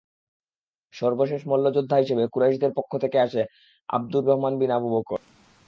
সর্বশেষ মল্লযোদ্ধা হিসেবে কুরাইশদের পক্ষ থেকে আসে আব্দুর রহমান বিন আবু বকর।